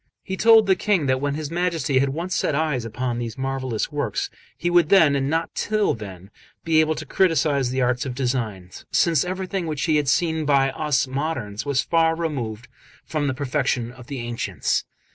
He told the King that when his Majesty had once set eyes upon those marvellous works, he would then, and not till then, be able to criticise the arts of design, since everything which he had seen by us moderns was far removed from the perfection of the ancients.